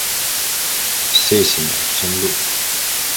Si, señor, sen dúbida.